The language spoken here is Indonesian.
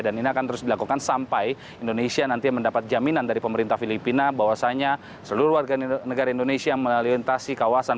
dan ini akan terus dilakukan sampai indonesia nanti mendapat jaminan dari pemerintah filipina bahwasannya seluruh warga negara indonesia melalui orientasi kawasan